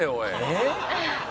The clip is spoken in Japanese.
「えっ？」